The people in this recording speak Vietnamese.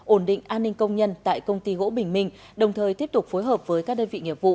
ổn định an ninh công nhân tại công ty gỗ bình minh đồng thời tiếp tục phối hợp với các đơn vị nghiệp vụ